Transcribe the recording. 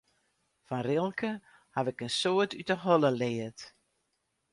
Fan Rilke haw ik in soad út de holle leard.